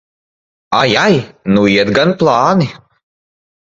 Ai, ai! Nu iet gan plāni!